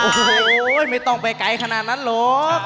โอ้โหไม่ต้องไปไกลขนาดนั้นหรอก